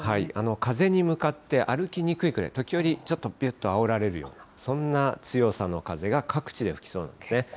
風に向かって歩きにくいくらい、時折ちょっと、びゅっとあおられるようなそんな強さの風が、各地で吹きそうですね。